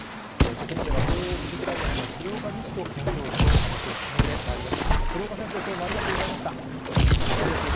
ここまでは慶応義塾大学の鶴岡路人准教授とお話を進めてまいりま